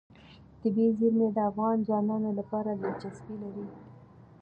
طبیعي زیرمې د افغان ځوانانو لپاره دلچسپي لري.